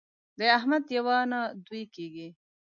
د احمد یوه نه دوې کېږي.